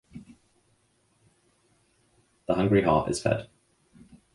The hungry heart is fed!